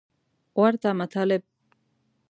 ورته مطالب